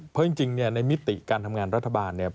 เพราะจริงในมิติการทำงานรัฐบาล